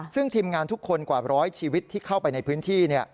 ซึ่งทีมงานทุกคนกว่าร้อยชีวิตที่เข้าไปในพื้นที่